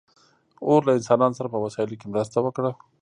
اور له انسانانو سره په وسایلو کې مرسته وکړه.